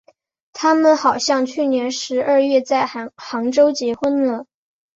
他们好像去年十二月在杭州结婚了。